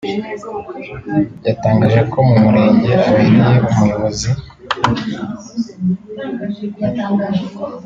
yatangaje ko mu Murenge abereye umuyobozi